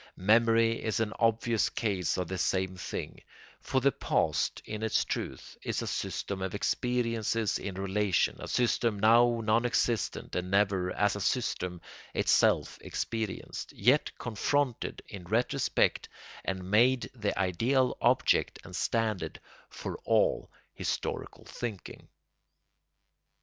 Memory is an obvious case of the same thing; for the past, in its truth, is a system of experiences in relation, a system now non existent and never, as a system, itself experienced, yet confronted in retrospect and made the ideal object and standard for all historical thinking.